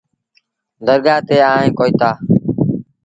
درگآه تي آئي ڪوئيٚتآ۔